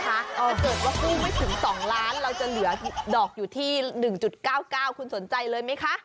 ถ้าเกิดว่ากู้ไม่ถึง๒ล้านเราจะเหลือดอกอยู่ที่๑๙๙คุณสนใจเลยไหมคะ